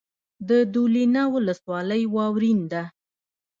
د دولینه ولسوالۍ واورین ده